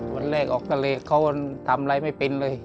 วันแรกออกทะเลเขาทำอะไรไม่เป็นเลย